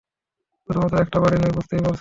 শুধুমাত্র একটা বাড়ি নয়, বুঝতেই পারছেন।